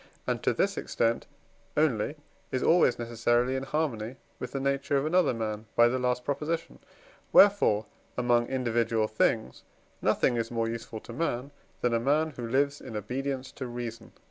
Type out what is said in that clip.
and to this extent only is always necessarily in harmony with the nature of another man (by the last Prop.); wherefore among individual things nothing is more useful to man, than a man who lives in obedience to reason.